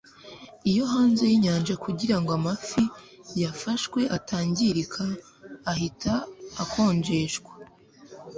Iyo hanze yinyanja kugirango amafi yafashwe atangirika ahita akonjeshwa